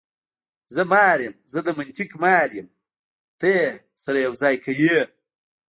زه مار یم، زه د منطق مار یم، ته یې سره یو ځای کوې.